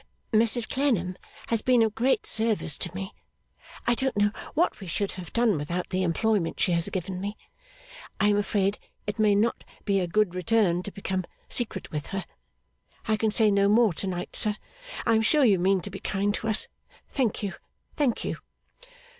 'Mrs Clennam has been of great service to me; I don't know what we should have done without the employment she has given me; I am afraid it may not be a good return to become secret with her; I can say no more to night, sir. I am sure you mean to be kind to us. Thank you, thank you.